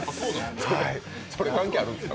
それ関係あるんすか？